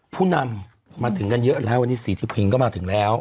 ผู้นำมาถึงกันเยอะแล้ววันนี้สีที่พิงก็มาถึงแล้ว